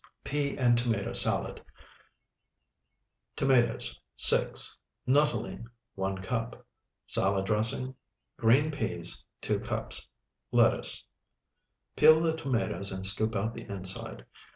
PEA AND TOMATO SALAD Tomatoes, 6. Nuttolene, 1 cup. Salad dressing. Green peas, 2 cups. Lettuce. Peel the tomatoes and scoop out the inside.